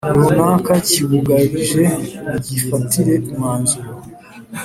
runaka kibugarije mugifatire umwanzuro